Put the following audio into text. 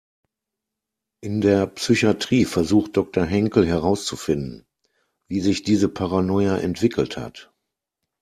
In der Psychatrie versucht Doktor Henkel herauszufinden, wie sich diese Paranoia entwickelt hat.